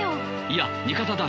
いや味方だ。